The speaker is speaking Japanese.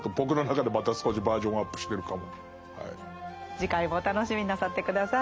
次回も楽しみになさって下さい。